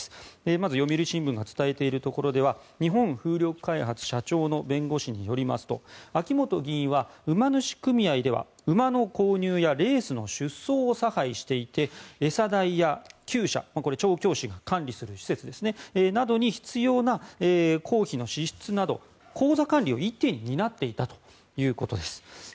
まず読売新聞が伝えているところでは日本風力開発社長の弁護士によりますと秋本議員は馬主組合では馬の購入やレースの出走を差配していて餌代や厩舎調教師が管理する施設ですが必要な費用の支出など口座管理を一手に担っていたということです。